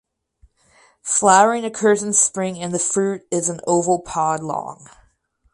Flowering occurs in spring and the fruit is an oval pod long.